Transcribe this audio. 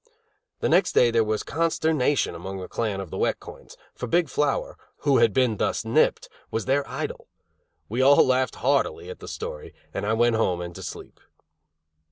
The next day there was consternation among the clan of the Wet Coins, for Big Flower, who had been thus nipped, was their idol. We all laughed heartily at the story, and I went home and to sleep.